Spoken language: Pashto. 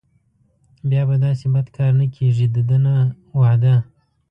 بیا به داسې بد کار نه کېږي دده نه وعده.